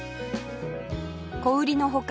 小売りの他